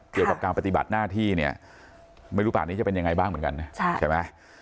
เรียกกับการปฏิบัติหน้าที่เนี่ยไม่รู้ใบนี้จะเป็นยังไงบ้างเหมือนกัน